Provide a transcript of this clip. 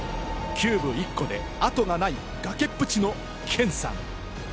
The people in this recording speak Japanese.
キューブ１個で後がない崖っぷちのケンさん。